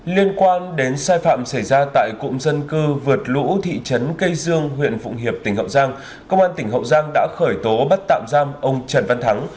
liên quan đến sai phạm xảy ra tại cụm dân cư vượt lũ thị trấn cây dương huyện phụng hiệp tỉnh hậu giang công an tỉnh hậu giang đã khởi tố bắt tạm giam ông trần văn thắng